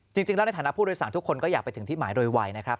ในฐานะผู้โดยสารทุกคนก็อยากไปถึงที่หมายโดยไวนะครับ